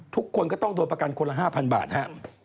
ทุกคนก็ต้องโดนประกันคนละ๕๐๐บาทครับ